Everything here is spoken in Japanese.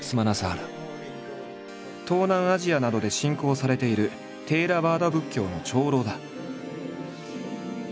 東南アジアなどで信仰されているテーラワーダ仏教の長老だ。